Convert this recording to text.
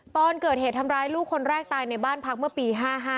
ตอนเกิดเหตุทำร้ายลูกคนแรกตายในบ้านพักเมื่อปี๕๕